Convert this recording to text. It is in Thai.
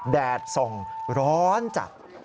แดดทรงร้อนจักร